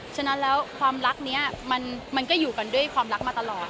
ฉะนั้นแล้วความรักนี้มันก็อยู่กันด้วยความรักมาตลอด